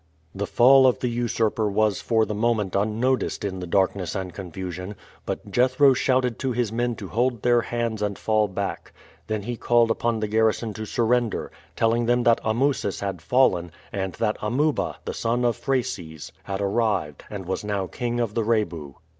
The fall of the usurper was for the moment unnoticed in the darkness and confusion, but Jethro shouted to his men to hold their hands and fall back. Then he called upon the garrison to surrender, telling them that Amusis had fallen, and that Amuba, the son of Phrases, had arrived, and was now king of the Rebu.